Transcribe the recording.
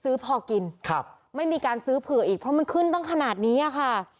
พอกินครับไม่มีการซื้อเผื่ออีกเพราะมันขึ้นตั้งขนาดนี้ค่ะ